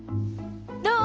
どう？